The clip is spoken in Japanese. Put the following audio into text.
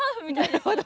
なるほど。